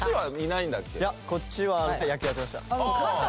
いやこっちは野球やってました。